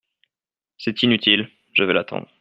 C’est inutile… je vais l’attendre…